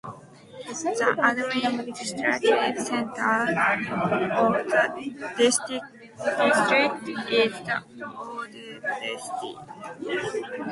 The administrative centre of the district is the Ordubad city.